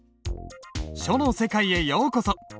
書の世界へようこそ。